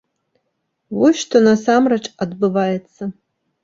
Вось што насамрэч адбываецца.